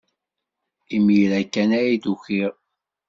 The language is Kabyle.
Imir-a kan ay d-ukiɣ.